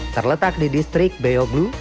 terletak di distrik beoglu